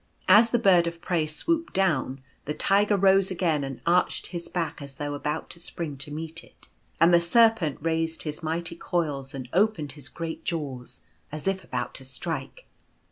As the Bird of Prey swooped down, the Tiger rose again and arched his back as though about to spring to meet it, and the Serpent raised his mighty coils and opened his great jaws as if about to strike.